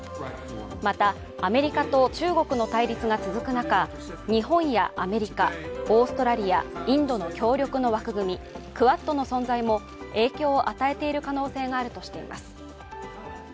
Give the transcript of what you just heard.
また、アメリカと中国の対立が続く中日本やアメリカ、オーストラリア、インドの協力の枠組み、クアッドの存在も影響を与えている可能性があるとしています。